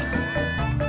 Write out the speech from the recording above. gak ada de